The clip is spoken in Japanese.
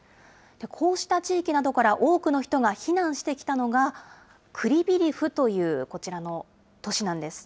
こうした地域などから多くの人が避難してきたのが、クリビリフという、こちらの都市なんです。